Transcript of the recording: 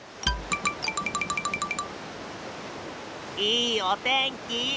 いいおてんき。